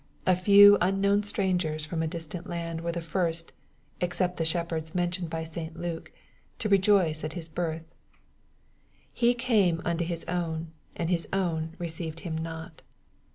A few unknown strangers from a distant land were the first, except the shepherds mentioned by St. Luke, to rejoice at His birth. " He came unto his own, and his own received him not."